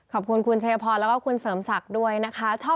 ขอบคุณคุณชัยพรแล้วก็คุณเสริมศักดิ์ด้วยนะคะ